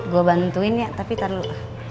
gue bantuin ya tapi tar dulu